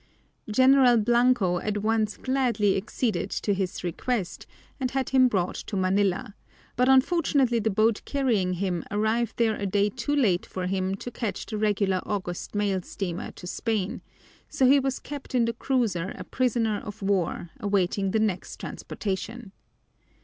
General Blanco at once gladly acceded to this request and had him brought to Manila, but unfortunately the boat carrying him arrived there a day too late for him to catch the regular August mail steamer to Spain, so he was kept in the cruiser a prisoner of war, awaiting the next transportation.